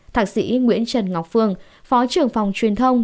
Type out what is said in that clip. thạc sĩ nguyễn trần ngọc phương phó trưởng phòng truyền thông